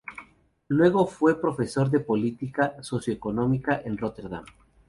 Luego fue profesor de política socioeconómica en Róterdam.